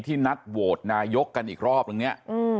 ที่นัดโฌนายกกันอีกรอบตรงนี้